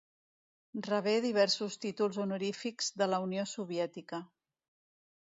Rebé diversos títols honorífics de la Unió Soviètica.